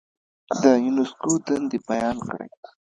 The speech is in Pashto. د یونسکو دندې بیان کړئ.